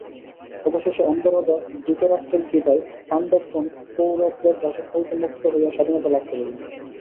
অবশেষে অন্ধ রাজা ধৃতরাষ্ট্রের কৃপায় পাণ্ডবগণ কৌরবদের দাসত্ব হইতে মুক্ত হইয়া স্বাধীনতা লাভ করিলেন।